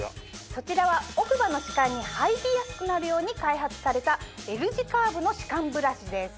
そちらは奥歯の歯間に入りやすくなるように開発されたＬ字カーブの歯間ブラシです。